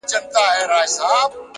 د حقیقت لاره وجدان آراموي،